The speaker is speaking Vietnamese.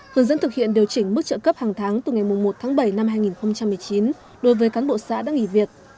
hướng dẫn thực hiện điều chỉnh mức trợ cấp hàng tháng từ ngày một tháng bảy năm hai nghìn một mươi chín đối với cán bộ xã đã nghỉ việc